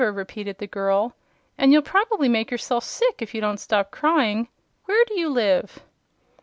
repeated the girl. "And you'll probably make yourself sick if you don't stop crying. Where do you live?"